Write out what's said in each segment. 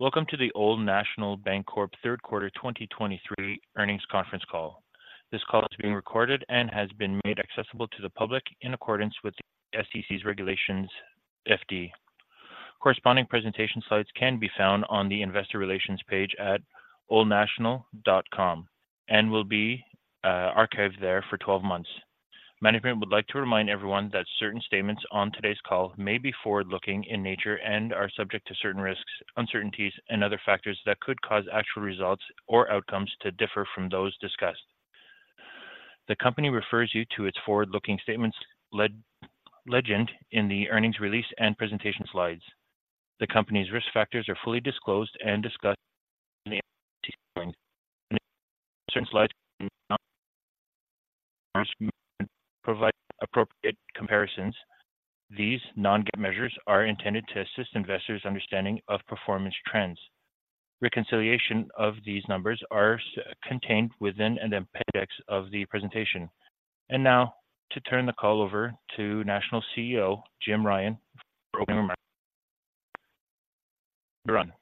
Welcome to the Old National Bancorp third quarter 2023 earnings conference call. This call is being recorded and has been made accessible to the public in accordance with the SEC's Regulation FD. Corresponding presentation slides can be found on the investor relations page at oldnational.com and will be archived there for 12 months. Management would like to remind everyone that certain statements on today's call may be forward-looking in nature and are subject to certain risks, uncertainties and other factors that could cause actual results or outcomes to differ from those discussed. The company refers you to its forward-looking statements legend in the earnings release and presentation slides. The company's risk factors are fully disclosed and discussed in the... Certain slides provide appropriate comparisons. These non-GAAP measures are intended to assist investors' understanding of performance trends. Reconciliation of these numbers are contained within an appendix of the presentation. Now, to turn the call over to National CEO, Jim Ryan, for opening remarks. Jim Ryan?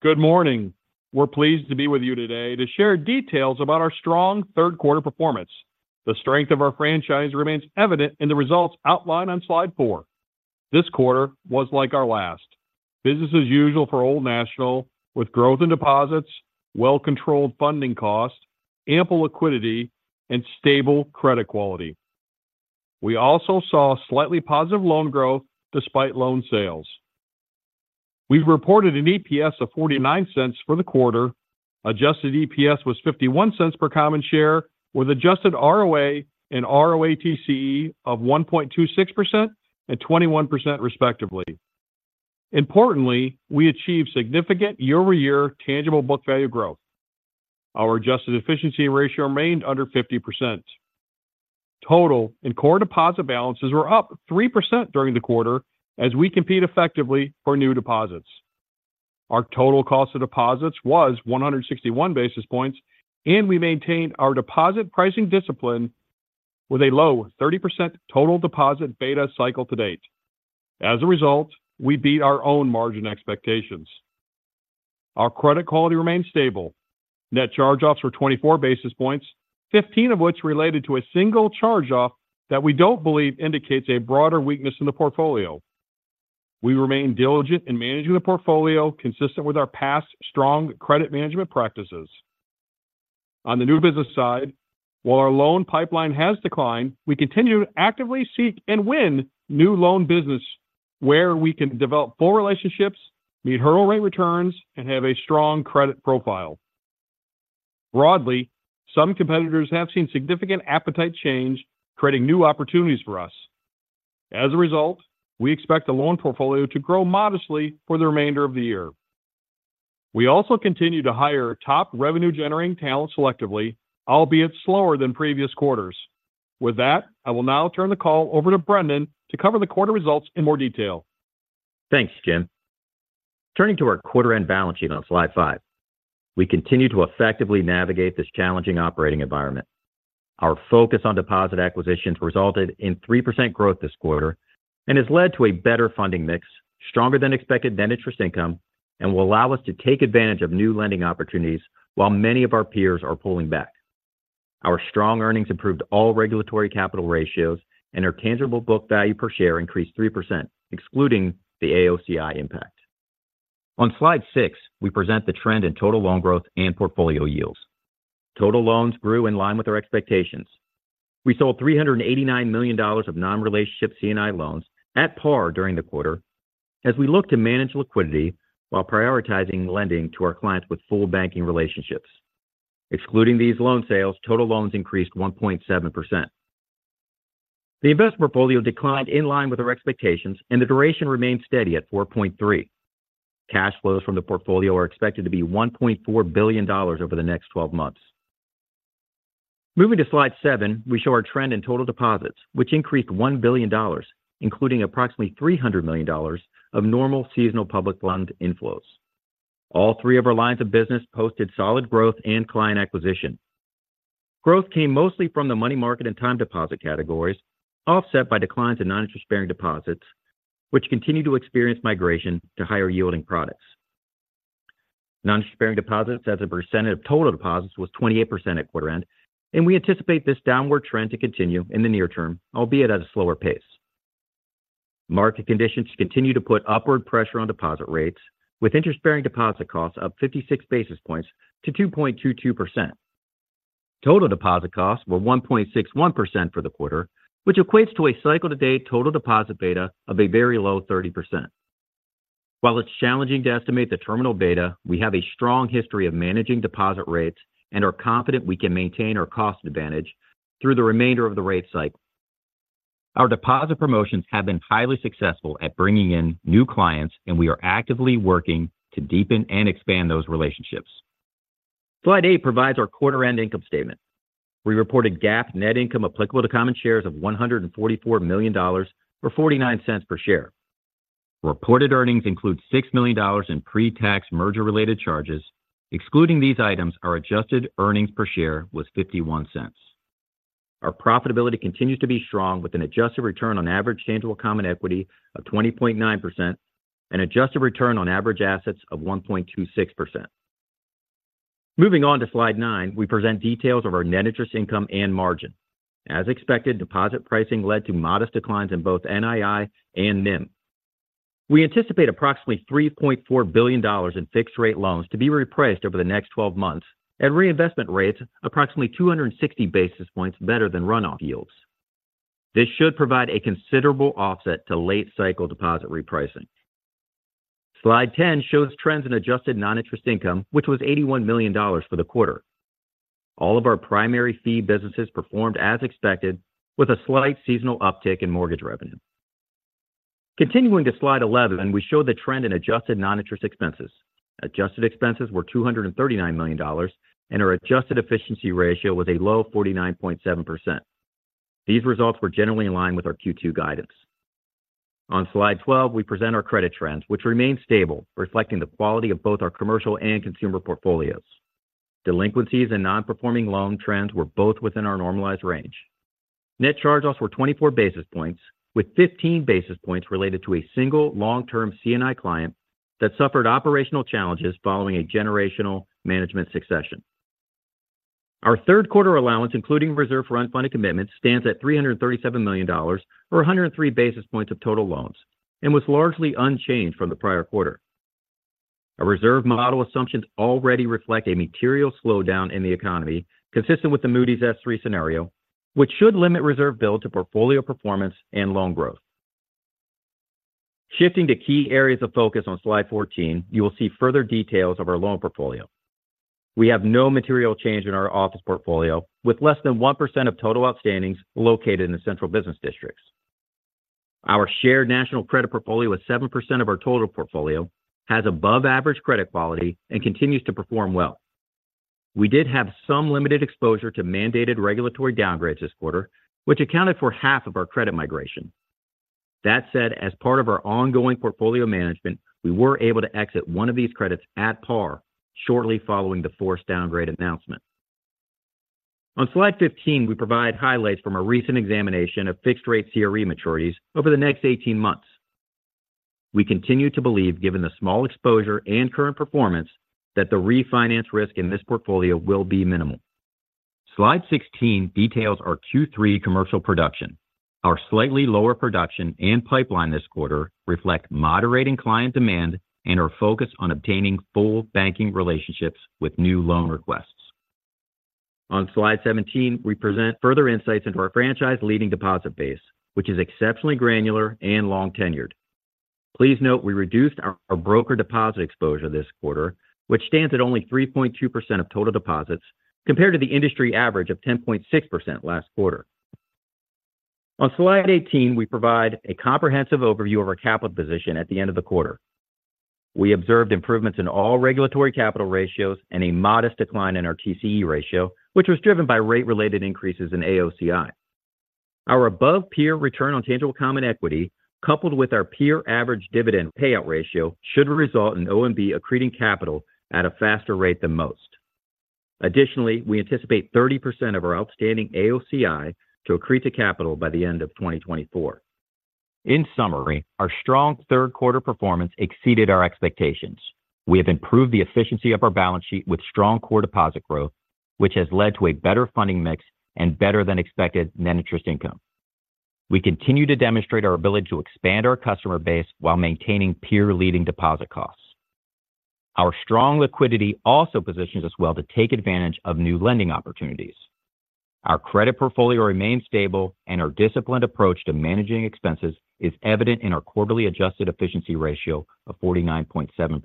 Good morning. We're pleased to be with you today to share details about our strong third quarter performance. The strength of our franchise remains evident in the results outlined on slide four. This quarter was like our last. Business as usual for Old National, with growth in deposits, well-controlled funding costs, ample liquidity, and stable credit quality. We also saw slightly positive loan growth despite loan sales. We've reported an EPS of $0.49 for the quarter. Adjusted EPS was $0.51 per common share, with adjusted ROA and ROATCE of 1.26% and 21%, respectively. Importantly, we achieved significant year-over-year tangible book value growth. Our adjusted efficiency ratio remained under 50%. Total and core deposit balances were up 3% during the quarter as we compete effectively for new deposits. Our total cost of deposits was 161 basis points, and we maintained our deposit pricing discipline with a low 30% total deposit beta cycle to date. As a result, we beat our own margin expectations. Our credit quality remains stable. Net charge-offs were 24 basis points, 15 of which related to a single charge-off that we don't believe indicates a broader weakness in the portfolio. We remain diligent in managing the portfolio, consistent with our past strong credit management practices. On the new business side, while our loan pipeline has declined, we continue to actively seek and win new loan business where we can develop full relationships, meet hurdle rate returns, and have a strong credit profile. Broadly, some competitors have seen significant appetite change, creating new opportunities for us. As a result, we expect the loan portfolio to grow modestly for the remainder of the year. We also continue to hire top revenue-generating talent selectively, albeit slower than previous quarters. With that, I will now turn the call over to Brendon to cover the quarter results in more detail. Thanks, Jim. Turning to our quarter-end balance sheet on slide 5, we continue to effectively navigate this challenging operating environment. Our focus on deposit acquisitions resulted in 3% growth this quarter and has led to a better funding mix, stronger than expected net interest income, and will allow us to take advantage of new lending opportunities while many of our peers are pulling back. Our strong earnings improved all regulatory capital ratios, and our tangible book value per share increased 3%, excluding the AOCI impact. On slide 6, we present the trend in total loan growth and portfolio yields. Total loans grew in line with our expectations. We sold $389 million of non-relationship C&I loans at par during the quarter as we look to manage liquidity while prioritizing lending to our clients with full banking relationships. Excluding these loan sales, total loans increased 1.7%. The investment portfolio declined in line with our expectations, and the duration remained steady at 4.3. Cash flows from the portfolio are expected to be $1.4 billion over the next twelve months. Moving to slide 7, we show our trend in total deposits, which increased $1 billion, including approximately $300 million of normal seasonal public fund inflows. All three of our lines of business posted solid growth and client acquisition. Growth came mostly from the money market and time deposit categories, offset by declines in non-interest-bearing deposits, which continued to experience migration to higher-yielding products. Non-interest-bearing deposits as a percentage of total deposits was 28% at quarter end, and we anticipate this downward trend to continue in the near term, albeit at a slower pace. Market conditions continue to put upward pressure on deposit rates, with interest-bearing deposit costs up 56 basis points to 2.22%. Total deposit costs were 1.61% for the quarter, which equates to a cycle-to-date total deposit beta of a very low 30%. While it's challenging to estimate the terminal beta, we have a strong history of managing deposit rates and are confident we can maintain our cost advantage through the remainder of the rate cycle. Our deposit promotions have been highly successful at bringing in new clients, and we are actively working to deepen and expand those relationships. Slide 8 provides our quarter-end income statement. We reported GAAP net income applicable to common shares of $144 million, or $0.49 per share. Reported earnings include $6 million in pre-tax merger-related charges. Excluding these items, our adjusted earnings per share was $0.51. Our profitability continues to be strong, with an adjusted return on average tangible common equity of 20.9% and adjusted return on average assets of 1.26%. Moving on to slide 9, we present details of our net interest income and margin. As expected, deposit pricing led to modest declines in both NII and NIM. We anticipate approximately $3.4 billion in fixed rate loans to be repriced over the next 12 months at reinvestment rates approximately 260 basis points better than run-off yields. This should provide a considerable offset to late cycle deposit repricing. Slide 10 shows trends in adjusted non-interest income, which was $81 million for the quarter. All of our primary fee businesses performed as expected, with a slight seasonal uptick in mortgage revenue. Continuing to slide 11, we show the trend in adjusted non-interest expenses. Adjusted expenses were $239 million, and our adjusted efficiency ratio was a low 49.7%. These results were generally in line with our Q2 guidance. On slide 12, we present our credit trends, which remain stable, reflecting the quality of both our commercial and consumer portfolios. Delinquencies and non-performing loan trends were both within our normalized range. Net charge-offs were 24 basis points, with 15 basis points related to a single long-term C&I client that suffered operational challenges following a generational management succession. Our third quarter allowance, including reserve for unfunded commitments, stands at $337 million, or 103 basis points of total loans, and was largely unchanged from the prior quarter. Our reserve model assumptions already reflect a material slowdown in the economy, consistent with the Moody's S3 scenario, which should limit reserve build to portfolio performance and loan growth. Shifting to key areas of focus on slide 14, you will see further details of our loan portfolio. We have no material change in our office portfolio, with less than 1% of total outstandings located in the central business districts. Our shared national credit portfolio, at 7% of our total portfolio, has above average credit quality and continues to perform well. We did have some limited exposure to mandated regulatory downgrades this quarter, which accounted for half of our credit migration. That said, as part of our ongoing portfolio management, we were able to exit one of these credits at par shortly following the forced downgrade announcement. On slide 15, we provide highlights from a recent examination of fixed-rate CRE maturities over the next 18 months. We continue to believe, given the small exposure and current performance, that the refinance risk in this portfolio will be minimal. Slide 16 details our Q3 commercial production. Our slightly lower production and pipeline this quarter reflect moderating client demand and our focus on obtaining full banking relationships with new loan requests. On slide 17, we present further insights into our franchise leading deposit base, which is exceptionally granular and long-tenured. Please note, we reduced our broker deposit exposure this quarter, which stands at only 3.2% of total deposits, compared to the industry average of 10.6% last quarter. On slide 18, we provide a comprehensive overview of our capital position at the end of the quarter. We observed improvements in all regulatory capital ratios and a modest decline in our TCE ratio, which was driven by rate-related increases in AOCI. Our above-peer return on tangible common equity, coupled with our peer average dividend payout ratio, should result in ONB accreting capital at a faster rate than most. Additionally, we anticipate 30% of our outstanding AOCI to accrete to capital by the end of 2024. In summary, our strong third quarter performance exceeded our expectations. We have improved the efficiency of our balance sheet with strong core deposit growth, which has led to a better funding mix and better-than-expected net interest income. We continue to demonstrate our ability to expand our customer base while maintaining peer-leading deposit costs. Our strong liquidity also positions us well to take advantage of new lending opportunities. Our credit portfolio remains stable, and our disciplined approach to managing expenses is evident in our quarterly adjusted efficiency ratio of 49.7%.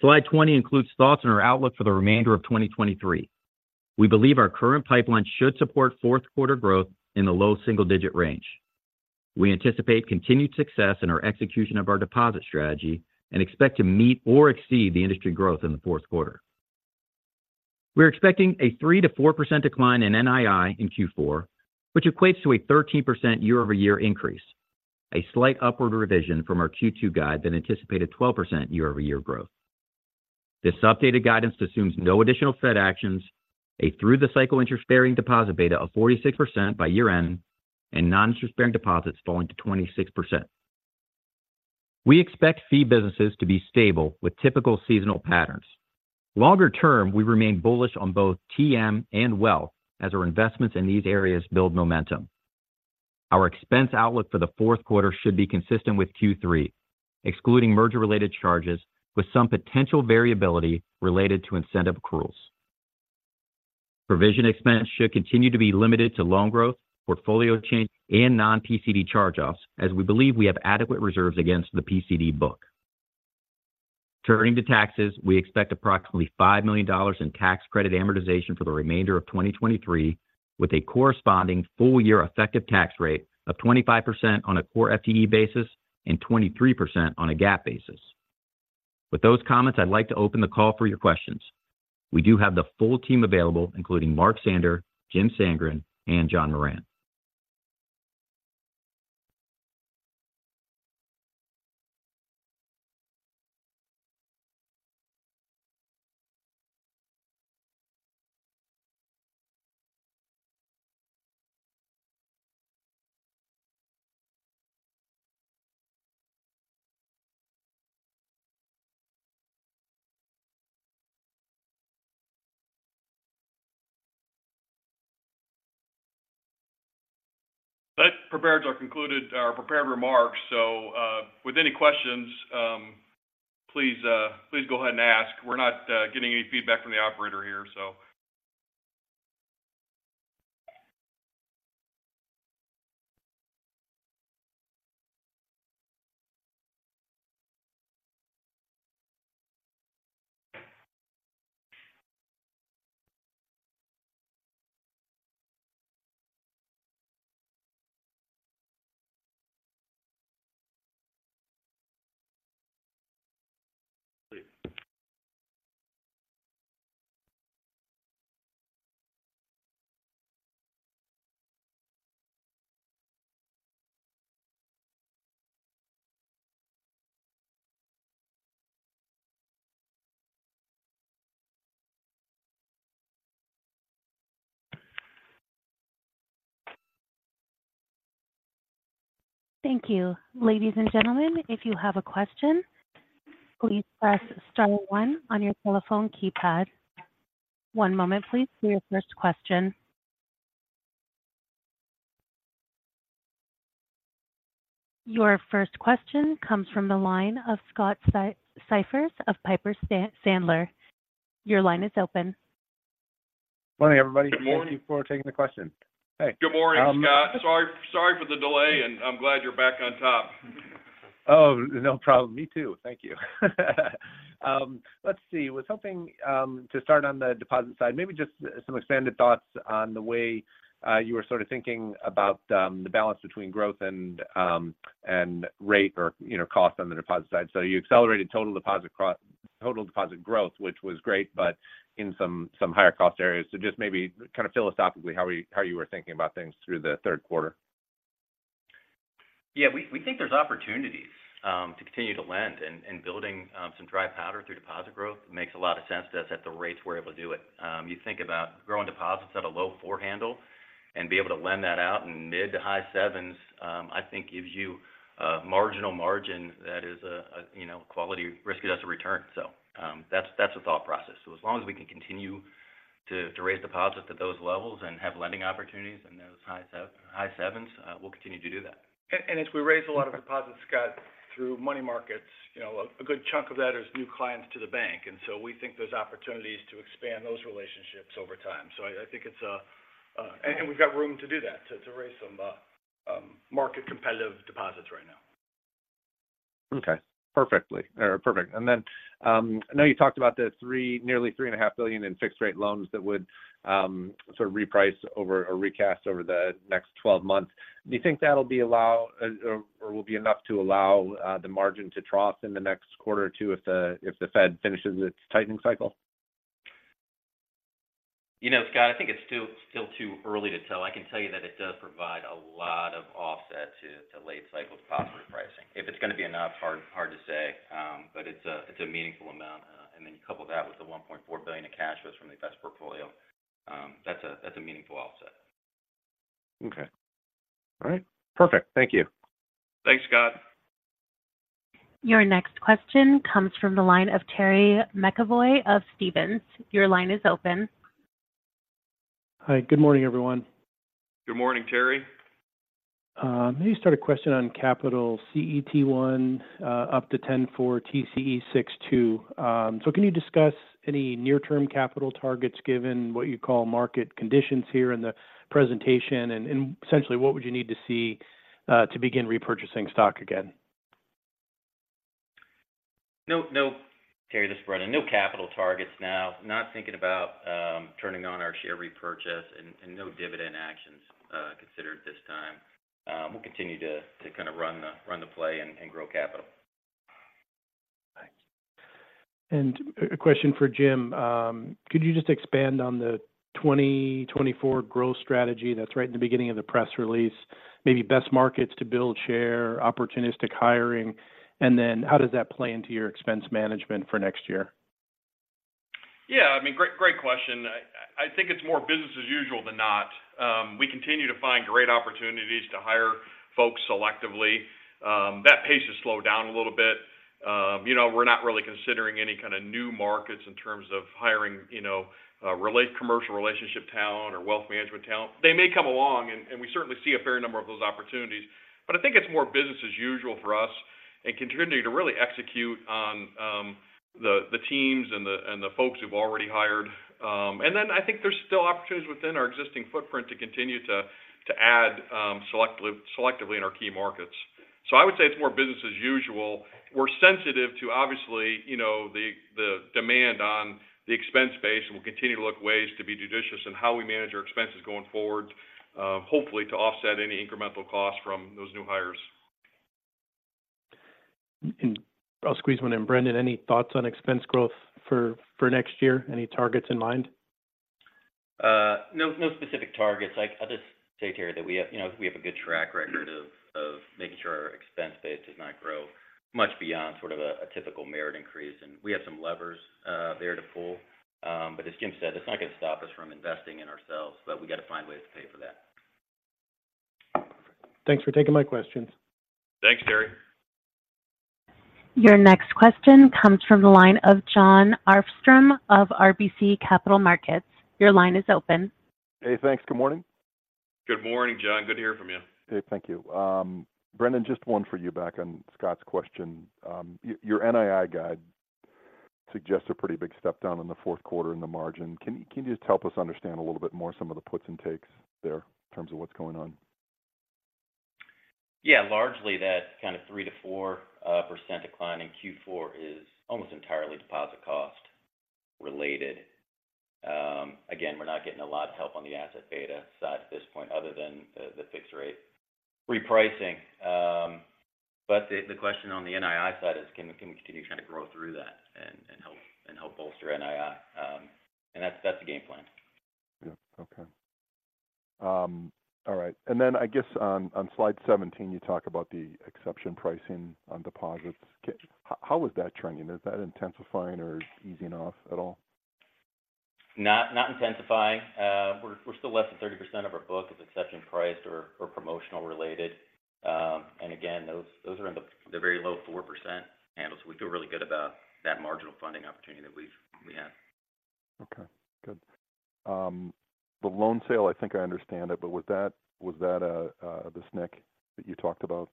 Slide 20 includes thoughts on our outlook for the remainder of 2023. We believe our current pipeline should support fourth quarter growth in the low double-digit range. We anticipate continued success in our execution of our deposit strategy and expect to meet or exceed the industry growth in the fourth quarter. We are expecting a 3%-4% decline in NII in Q4, which equates to a 13% year-over-year increase, a slight upward revision from our Q2 guide that anticipated 12% year-over-year growth. This updated guidance assumes no additional Fed actions, a through-the-cycle interest-bearing deposit beta of 46% by year-end, and non-interest-bearing deposits falling to 26%. We expect fee businesses to be stable, with typical seasonal patterns. Longer term, we remain bullish on both TM and Wealth as our investments in these areas build momentum. Our expense outlook for the fourth quarter should be consistent with Q3, excluding merger-related charges, with some potential variability related to incentive accruals. Provision expense should continue to be limited to loan growth, portfolio change, and non-PCD charge-offs, as we believe we have adequate reserves against the PCD book. Turning to taxes, we expect approximately $5 million in tax credit amortization for the remainder of 2023, with a corresponding full-year effective tax rate of 25% on a core FTE basis and 23% on a GAAP basis. With those comments, I'd like to open the call for your questions. We do have the full team available, including Mark Sander, Jim Sandgren, and John Moran. ... That concludes our prepared remarks. So, with any questions, please go ahead and ask. We're not getting any feedback from the operator here, so. Thank you. Ladies and gentlemen, if you have a question, please press star one on your telephone keypad. One moment, please, for your first question. Your first question comes from the line of Scott Siefers of Piper Sandler. Your line is open. Morning, everybody. Good morning. Thank you for taking the question. Hey. Good morning, Scott. Um- Sorry, sorry for the delay, and I'm glad you're back on top. Oh, no problem. Me too. Thank you. Let's see. Was hoping to start on the deposit side. Maybe just some expanded thoughts on the way you were sort of thinking about the balance between growth and, and rate or, you know, cost on the deposit side. So you accelerated total deposit growth, which was great, but in some, some higher cost areas. So just maybe kind of philosophically, how you, how you were thinking about things through the third quarter? Yeah, we think there's opportunities to continue to lend. And building some dry powder through deposit growth makes a lot of sense to us at the rates we're able to do it. You think about growing deposits at a low 4 handle and be able to lend that out in mid- to high 7s, I think gives you a marginal margin that is a, you know, quality risk-adjusted return. So, that's the thought process. So as long as we can continue to raise deposits at those levels and have lending opportunities in those high 7s, we'll continue to do that. As we raise a lot of deposits, Scott, through money markets, you know, a good chunk of that is new clients to the bank, and so we think there's opportunities to expand those relationships over time. So I think it's a... And we've got room to do that, to raise some market competitive deposits right now. Okay. Perfect. And then, I know you talked about the nearly $3.5 billion in fixed rate loans that would sort of reprice over, or recast over the next 12 months. Do you think that'll be allowed, or will be enough to allow the margin to trough in the next quarter or two if the Fed finishes its tightening cycle? You know, Scott, I think it's still too early to tell. I can tell you that it does provide a lot of offset to late cycle deposit repricing. If it's going to be enough, hard to say. But it's a meaningful amount. And then you couple that with the $1.4 billion in cash flows from the investment portfolio, that's a meaningful offset. Okay. All right. Perfect. Thank you. Thanks, Scott. Your next question comes from the line of Terry McEvoy of Stephens. Your line is open. Hi. Good morning, everyone. Good morning, Terry. Let me start a question on capital CET1, up to 10.4, TCE 6.2. Can you discuss any near-term capital targets given what you call market conditions here in the presentation? And essentially, what would you need to see to begin repurchasing stock again? No, no, Terry, this is Brendan. No capital targets now. Not thinking about turning on our share repurchase and no dividend actions considered at this time. We'll continue to kind of run the play and grow capital. Thank you. And a question for Jim. Could you just expand on the 2024 growth strategy that's right in the beginning of the press release? Maybe best markets to build share, opportunistic hiring, and then how does that play into your expense management for next year? Yeah, I mean, great, great question. I think it's more business as usual than not. We continue to find great opportunities to hire folks selectively. That pace has slowed down a little bit. You know, we're not really considering any kind of new markets in terms of hiring, you know, related commercial relationship talent or wealth management talent. They may come along, and we certainly see a fair number of those opportunities, but I think it's more business as usual for us and continuing to really execute on the teams and the folks who've already hired. And then I think there's still opportunities within our existing footprint to continue to add selectively in our key markets. So I would say it's more business as usual. We're sensitive to, obviously, you know, the demand on the expense base, and we'll continue to look at ways to be judicious in how we manage our expenses going forward, hopefully to offset any incremental costs from those new hires. I'll squeeze one in. Brendan, any thoughts on expense growth for, for next year? Any targets in mind? No, no specific targets. I'll just say, Terry, that we have, you know, we have a good track record of making sure our expense base does not grow much beyond sort of a typical merit increase, and we have some levers there to pull. But as Jim said, it's not going to stop us from investing in ourselves, but we got to find ways to pay for that. Thanks for taking my questions. Thanks, Terry. Your next question comes from the line of John Arfstrom of RBC Capital Markets. Your line is open. Hey, thanks. Good morning. Good morning, John. Good to hear from you. Hey, thank you. Brendan, just one for you back on Scott's question. Your NII guide suggests a pretty big step down in the fourth quarter in the margin. Can you just help us understand a little bit more some of the puts and takes there in terms of what's going on? Yeah. Largely, that kind of 3%-4% decline in Q4 is almost entirely deposit cost related. Again, we're not getting a lot of help on the asset beta side at this point, other than the fixed rate repricing. But the question on the NII side is, can we continue to kind of grow through that and help bolster NII? And that's the game plan. Yeah. Okay. All right. And then I guess on, on slide 17, you talk about the exception pricing on deposits. How is that trending? Is that intensifying or easing off at all? Not, not intensifying. We're still less than 30% of our book is exception priced or promotional related. And again, those are in the very low 4% handle. So we feel really good about that marginal funding opportunity that we have. Okay, good. The loan sale, I think I understand it, but was that, was that a, the SNC that you talked about?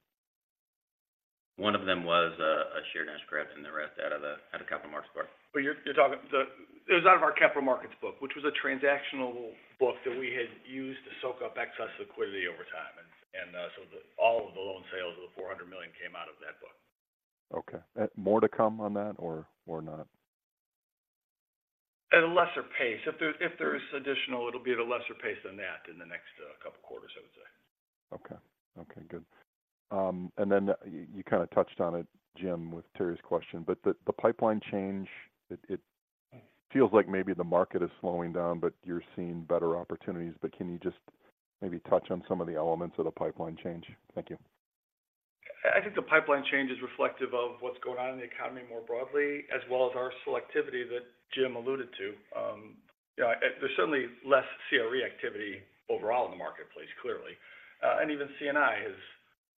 One of them was a Shared National Credit, and the rest out of the capital markets book. But you're talking, so it was out of our capital markets book, which was a transactional book that we had used to soak up excess liquidity over time. And, and, so the, all of the loan sales of $400 million came out of that book. Okay. More to come on that or, or not? At a lesser pace. If there is additional, it'll be at a lesser pace than that in the next couple quarters, I would say. Okay. Okay, good. And then you kind of touched on it, Jim, with Terry's question, but the pipeline change, it feels like maybe the market is slowing down, but you're seeing better opportunities. But can you just maybe touch on some of the elements of the pipeline change? Thank you. I think the pipeline change is reflective of what's going on in the economy more broadly, as well as our selectivity that Jim alluded to. Yeah, there's certainly less CRE activity overall in the marketplace, clearly. And even CNI is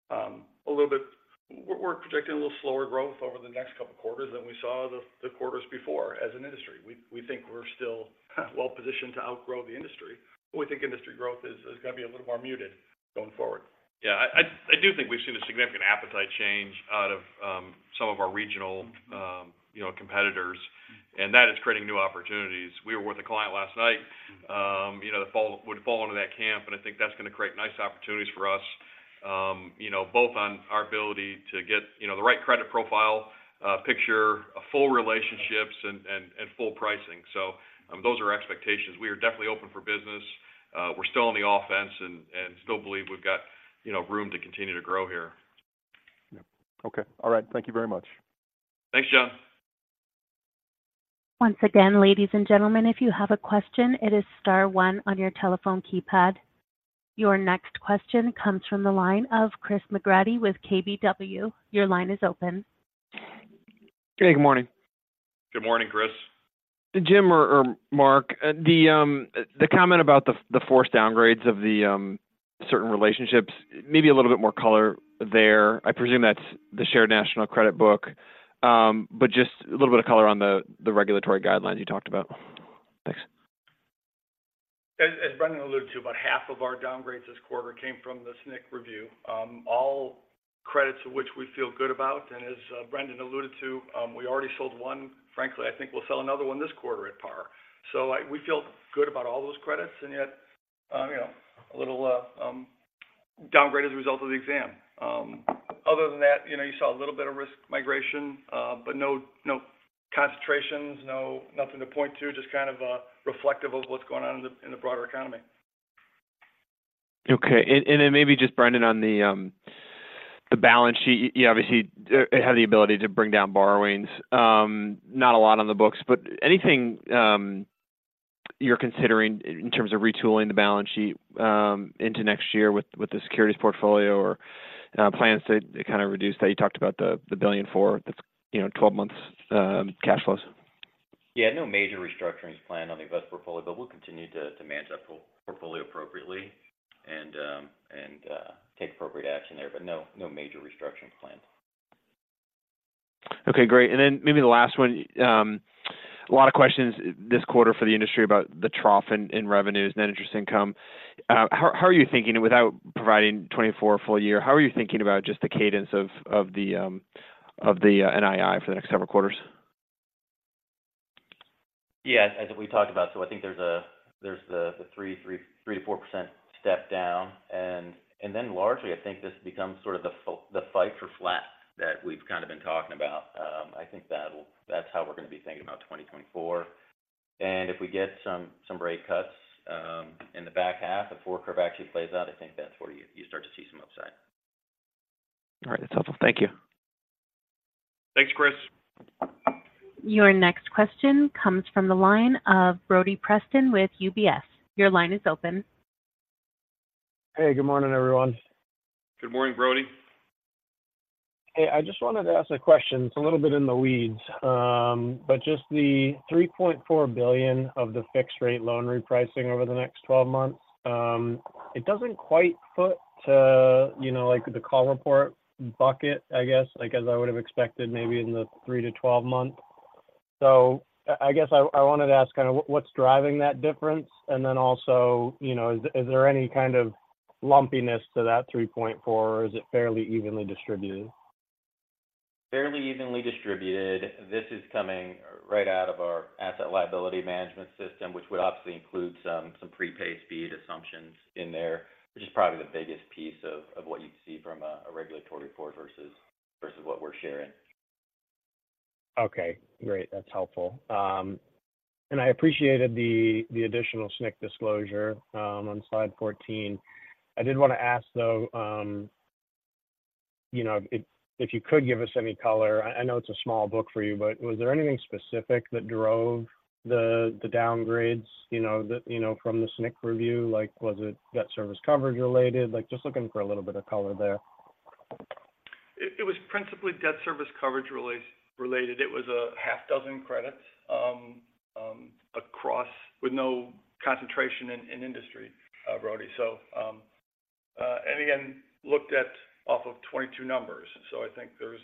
a little bit. We're projecting a little slower growth over the next couple quarters than we saw the quarters before as an industry. We think we're still well positioned to outgrow the industry, but we think industry growth is going to be a little more muted going forward. Yeah. I do think we've seen a significant appetite change out of some of our regional- Mm-hmm You know, competitors, and that is creating new opportunities. We were with a client last night, you know, that would fall into that camp, and I think that's going to create nice opportunities for us, you know, both on our ability to get, you know, the right credit profile, picture, full relationships and full pricing. So, those are expectations. We are definitely open for business. We're still on the offense and still believe we've got, you know, room to continue to grow here. Yeah. Okay. All right. Thank you very much. Thanks, John. Once again, ladies and gentlemen, if you have a question, it is star one on your telephone keypad. Your next question comes from the line of Chris McGratty with KBW. Your line is open. Hey, good morning. Good morning, Chris. Jim or Mark, the comment about the forced downgrades of the certain relationships, maybe a little bit more color there. I presume that's the Shared National Credit book, but just a little bit of color on the regulatory guidelines you talked about. Thanks. As Brendan alluded to, about half of our downgrades this quarter came from the SNC review. All credits of which we feel good about, and as Brendan alluded to, we already sold one. Frankly, I think we'll sell another one this quarter at par. So we feel good about all those credits, and yet, you know, a little downgrade as a result of the exam. Other than that, you know, you saw a little bit of risk migration, but no, no concentrations, no nothing to point to, just kind of reflective of what's going on in the broader economy. Okay. And then maybe just Brendan on the balance sheet. You obviously have the ability to bring down borrowings. Not a lot on the books, but anything you're considering in terms of retooling the balance sheet into next year with the securities portfolio or plans to kind of reduce that? You talked about the $1 billion for this, you know, 12 months cash flows. Yeah. No major restructurings planned on the investment portfolio, but we'll continue to manage that portfolio appropriately and take appropriate action there, but no, no major restructuring planned. Okay, great. And then maybe the last one. A lot of questions this quarter for the industry about the trough in revenues, net interest income. How are you thinking? Without providing 2024 full year, how are you thinking about just the cadence of the NII for the next several quarters? Yeah, as we talked about, so I think there's the 3%-4% step down. And then largely, I think this becomes sort of the fight for flat that we've kind of been talking about. I think that'll, that's how we're going to be thinking about 2024. And if we get some rate cuts in the back half of 2024 curve actually plays out, I think that's where you start to see some upside. All right. That's helpful. Thank you. Thanks, Chris. Your next question comes from the line of Brody Preston with UBS. Your line is open. Hey, good morning, everyone. Good morning, Brody. Hey, I just wanted to ask a question. It's a little bit in the weeds, but just the $3.4 billion of the fixed rate loan repricing over the next 12 months, it doesn't quite foot to, you know, like, the call report bucket, I guess. Like, as I would have expected maybe in the 3- to 12-month. So I guess I wanted to ask kind of what, what's driving that difference? And then also, you know, is there any kind of lumpiness to that $3.4, or is it fairly evenly distributed? Fairly evenly distributed. This is coming right out of our asset liability management system, which would obviously include some prepaid speed assumptions in there, which is probably the biggest piece of what you'd see from a regulatory report versus what we're sharing. Okay, great. That's helpful. And I appreciated the additional SNC disclosure on slide 14. I did want to ask, though, you know, if you could give us any color. I know it's a small book for you, but was there anything specific that drove the downgrades, you know, from the SNC review? Like, was it debt service coverage related? Like, just looking for a little bit of color there. It was principally debt service coverage ratios-related. It was 6 credits across with no concentration in industry, Brody. So, and again, looked at off of 2022 numbers. So I think there's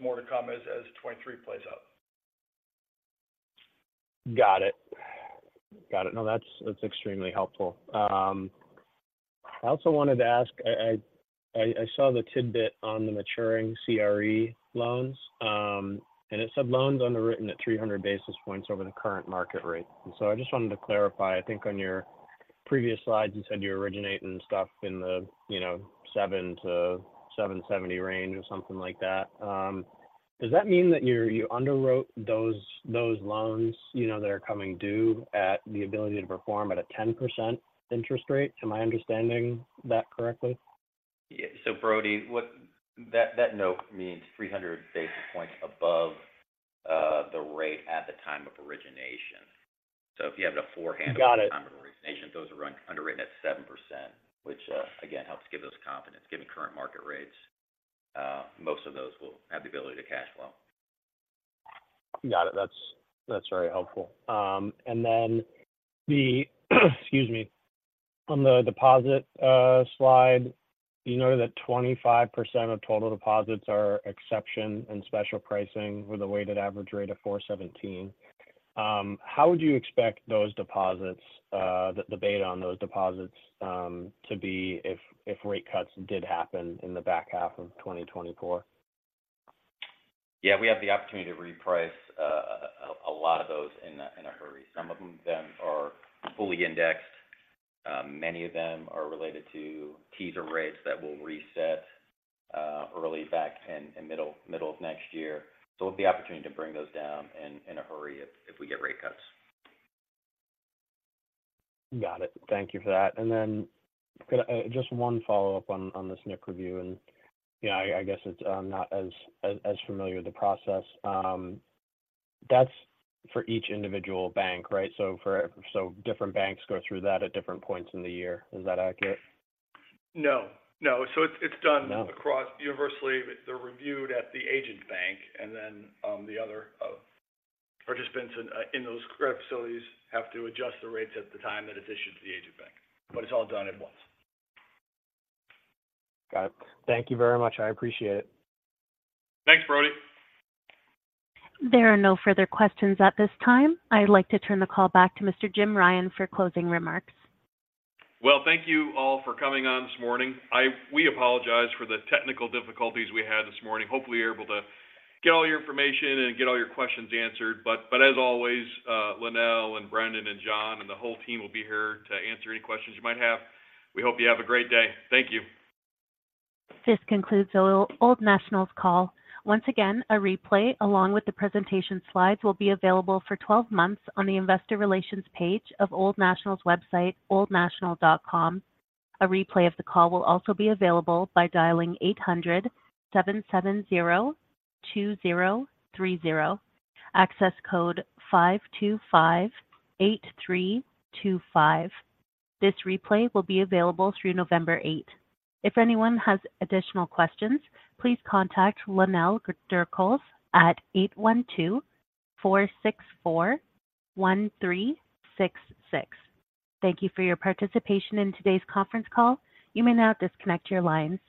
more to come as 2023 plays out. Got it. Got it. No, that's, that's extremely helpful. I also wanted to ask, I saw the tidbit on the maturing CRE loans. It said, "Loans underwritten at 300 basis points over the current market rate." I just wanted to clarify. I think on your previous slides, you said you're originating stuff in the, you know, 7-7.70 range or something like that. Does that mean that you underwrote those loans, you know, that are coming due at the ability to perform at a 10% interest rate? Am I understanding that correctly? Yeah. So, Brody, what that, that note means 300 basis points above, the rate at the time of origination. So if you have it beforehand- Got it At the time of origination, those are run underwritten at 7%, which, again, helps give us confidence. Given current market rates, most of those will have the ability to cash flow. Got it. That's, that's very helpful. And then the, excuse me, on the deposit slide, you noted that 25% of total deposits are exception and special pricing with a weighted average rate of 4.17. How would you expect those deposits, the beta on those deposits, to be if, if rate cuts did happen in the back half of 2024? Yeah, we have the opportunity to reprice a lot of those in a hurry. Some of them are fully indexed. Many of them are related to teaser rates that will reset early back in middle of next year. So we'll have the opportunity to bring those down in a hurry if we get rate cuts. Got it. Thank you for that. And then, just one follow-up on the SNC review, and I guess it's not as familiar with the process. That's for each individual bank, right? So different banks go through that at different points in the year. Is that accurate? No, no. So it's, it's done- No Across, universally, they're reviewed at the agent bank, and then, the other participants in those credit facilities have to adjust the rates at the time that it's issued to the agent bank. But it's all done at once. Got it. Thank you very much. I appreciate it. Thanks, Brody. There are no further questions at this time. I'd like to turn the call back to Mr. Jim Ryan for closing remarks. Well, thank you all for coming on this morning. We apologize for the technical difficulties we had this morning. Hopefully, you're able to get all your information and get all your questions answered. But as always, Lynell and Brendan and John, and the whole team will be here to answer any questions you might have. We hope you have a great day. Thank you. This concludes the Old National's call. Once again, a replay, along with the presentation slides, will be available for 12 months on the investor relations page of Old National's website, oldnational.com. A replay of the call will also be available by dialing 800-770-2030, access code 5258325. This replay will be available through November eighth. If anyone has additional questions, please contact Lynell Walton at 812-464-1366. Thank you for your participation in today's conference call. You may now disconnect your lines.